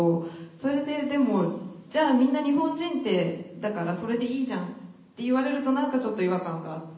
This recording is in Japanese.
それででもじゃあみんな日本人ってだからそれでいいじゃんって言われると何かちょっと違和感があって。